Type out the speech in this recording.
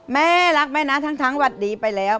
แม่รักแม่นะทั้งวัดดีไปแล้ว